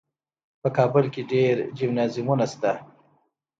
په کابل کې ډېر جمنازیمونه شته.